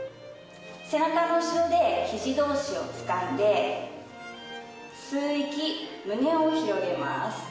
背中の後ろで肘同士をつかんで吸う息胸を広げます。